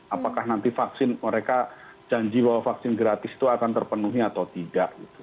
apakah nanti vaksin mereka janji bahwa vaksin gratis itu akan terpenuhi atau tidak